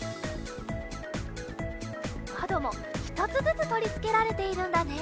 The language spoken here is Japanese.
まどもひとつずつとりつけられているんだね。